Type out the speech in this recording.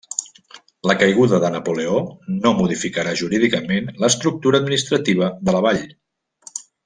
La caiguda de Napoleó no modificarà jurídicament l'estructura administrativa de la vall.